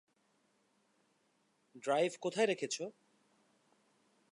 Drive কোথায় রেখেছো?